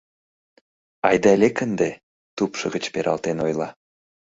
Айда, лек ынде, — тупшо гыч пералтен ойла.